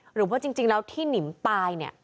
หรือว่าจริงแล้วที่หนิมตายเนี่ย